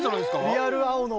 リアル青野。